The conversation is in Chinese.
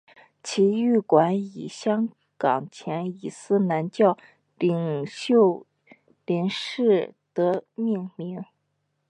体育馆以香港前伊斯兰教领袖林士德命名。